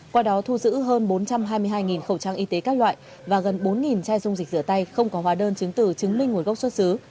qua đó thu giữ hơn bốn trăm hai mươi hai khẩu trang y tế các loại và gần bốn chai dung dịch rửa tay không có hóa đơn chứng từ chứng minh nguồn gốc xuất xứ